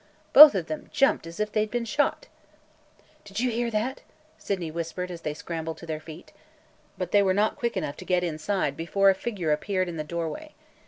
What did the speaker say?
Both of them jumped as if they had been shot. "Did you hear that?" Sydney whispered as they scrambled to their feet. But they were not quick enough to get inside before a figure appeared in the doorway.